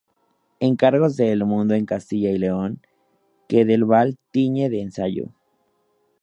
Encargos de El Mundo en Castilla y León, que Del Val tiñe de ensayo.